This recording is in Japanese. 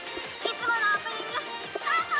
「いつものオープニングスタート！」